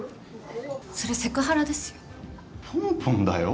それセクハラですよ。